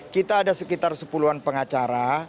kita ada sekitar sepuluh an pengacara